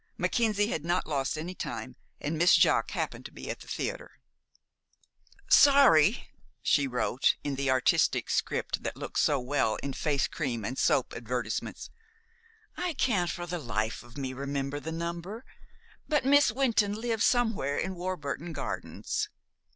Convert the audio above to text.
Mackenzie had not lost any time, and Miss Jaques happened to be at the theater. "Sorry," she wrote, in the artistic script that looks so well in face cream and soap advertisements, "I can't for the life of me remember the number; but Miss Wynton lives somewhere in Warburton Gardens."